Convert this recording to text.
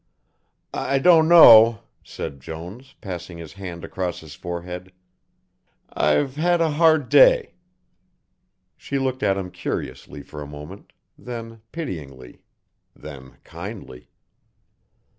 "I don't know," said Jones, passing his hand across his forehead. "I've had a hard day." She looked at him curiously for a moment, then pityingly, then kindly.